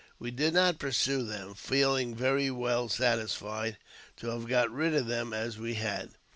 We did not pursue them, feeling very well satisfied to have got rid of them as we had.